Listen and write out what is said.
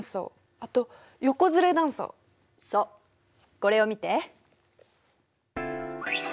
そうこれを見て。